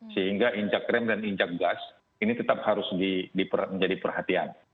sehingga injak rem dan injak gas ini tetap harus menjadi perhatian